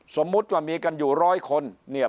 สมมุติว่ามีกันอยู่ร้อยคนเนี่ย